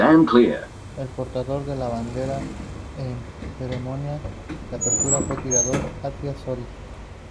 El portador de la bandera en la ceremonia de apertura fue tirador Attila Solti.